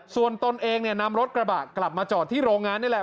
ส่วนตนเองเนี่ยนำรถกระบะกลับมาจอดที่โรงงานนี่แหละ